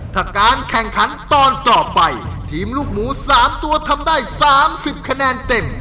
ถ้าการแข่งขันตอนต่อไปทีมลูกหมู๓ตัวทำได้๓๐คะแนนเต็ม